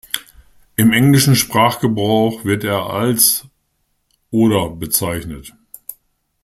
Im englischen Sprachgebrauch wird er als oder bezeichnet.